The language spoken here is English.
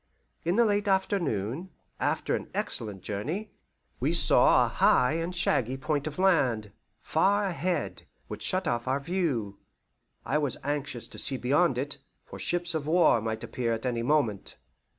In the late afternoon, after an excellent journey, we saw a high and shaggy point of land, far ahead, which shut off our view. I was anxious to see beyond it, for ships of war might appear at any moment.